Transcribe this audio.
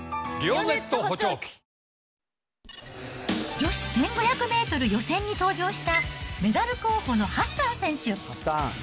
女子１５００メートル予選に登場した、メダル候補のハッサン選手。